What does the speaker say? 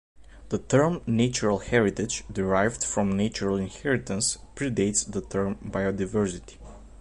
The term "natural heritage", derived from "natural inheritance", pre-dates the term "biodiversity.